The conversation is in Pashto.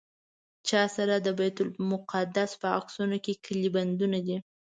چا سره د بیت المقدس په عکسونو کیلي بندونه دي.